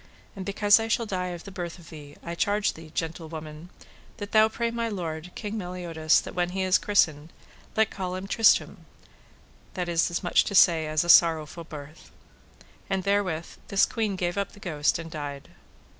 And because I shall die of the birth of thee, I charge thee, gentlewoman, that thou pray my lord, King Meliodas, that when he is christened let call him Tristram, that is as much to say as a sorrowful birth. And therewith this queen gave up the ghost and died.